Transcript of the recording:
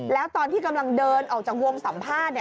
แล้วตอนที่กำลังเดินออกจากวงสัมภาษณ์